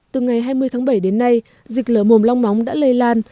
từ ngày hai mươi tháng bảy đến nay dịch lở mồm long móng đã lây lan